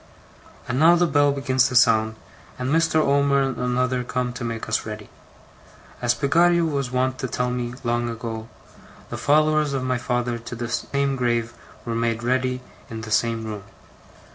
And now the bell begins to sound, and Mr. Omer and another come to make us ready. As Peggotty was wont to tell me, long ago, the followers of my father to the same grave were made ready in the same room.